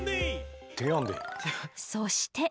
そして。